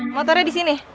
motornya di sini